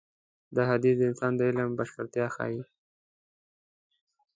دا حديث د انسان د علم بشپړتيا ښيي.